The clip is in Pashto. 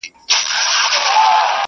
o خواړه د رنگه خوړل کېږي٫